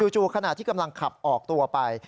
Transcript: ขณะที่กำลังขับออกตัวไป